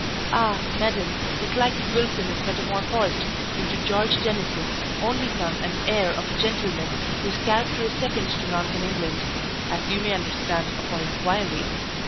Ah! madam, the slighted Wilson is metamorphosed into George Dennison, only son and heir of a gentleman, whose character is second to none in England, as you may understand upon inquiry.